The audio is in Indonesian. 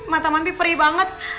mata mami perih banget